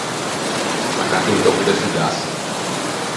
Accatto un tòcco de fugassa.